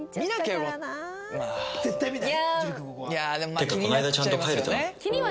「てかこないだちゃんと帰れた？」